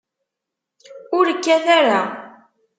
Ur kkat ara.